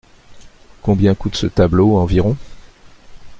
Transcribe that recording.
Combien coûte ce tableau environ ?